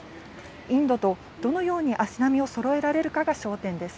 インドとどのように足並みをそろえられるかが焦点です。